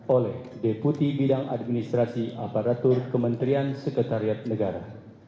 oleh deputi bidang administrasi aparatur kementerian sekretariat negara